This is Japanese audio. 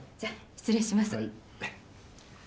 失礼します。